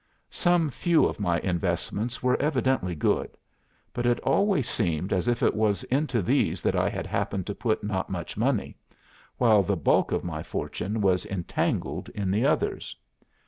Some few of my investments were evidently good; but it always seemed as if it was into these that I had happened to put not much money, while the bulk of my fortune was entangled in the others.